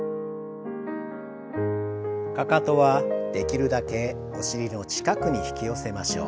かかとはできるだけお尻の近くに引き寄せましょう。